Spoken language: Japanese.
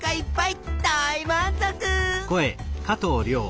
大満足！